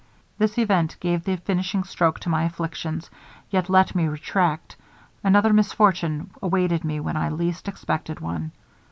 This event gave the finishing stroke to my afflictions; yet let me retract; another misfortune awaited me when I least expected one.